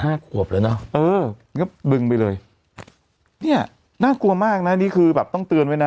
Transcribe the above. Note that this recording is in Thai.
ขวบแล้วเนอะเออก็บึงไปเลยเนี้ยน่ากลัวมากนะนี่คือแบบต้องเตือนไว้นะ